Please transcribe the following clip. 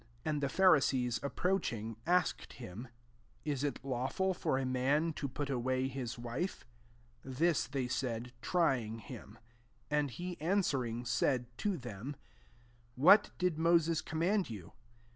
And the Pharisees approaching, asked him, ^ Is it lawful for a man to put away his wife ?^' This they aatd, trying him. 3 And he an swering, said to them, *• What did Moses command you